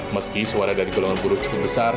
meski suara dari golongan buruh cukup besar